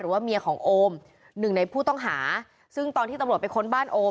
หรือว่ามีของโอมหนึ่งในผู้ต้องหาซึ่งตอนที่ตำรวจบ้านโอม